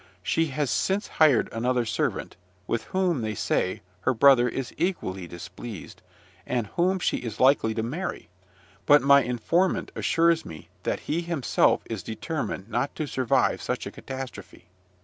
She has since hired another servant, with whom, they say, her brother is equally displeased, and whom she is likely to marry; but my informant assures me that he himself is determined not to survive such a catastrophe.